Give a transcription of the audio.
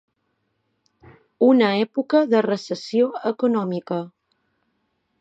Una època de recessió econòmica.